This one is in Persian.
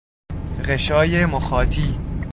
غشای مخاطی